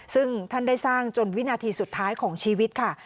ซึ่งท่านได้สร้างจนวินาทีสุดท้ายของชีวิตค่ะ